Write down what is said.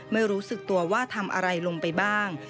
ไม่รู้สึกตัวว่าทำอะไรลงไปบ้าง